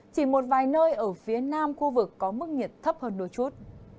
chỉ một vài nơi ở phía nam khu vực có mức nhiệt thấp hơn đôi chút